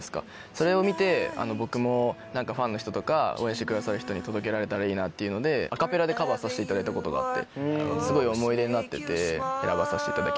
それを見て僕もファンの人とか応援してくださる人に届けられたらいいなっていうのでアカペラでカバーさせていただいたことがあってすごい思い出になってて選ばさせていただきました。